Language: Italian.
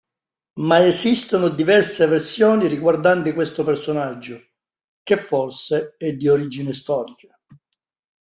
Ma esistono diverse versioni riguardanti questo personaggio, che forse è di origine storica.